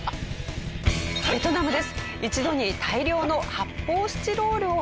ベトナムです。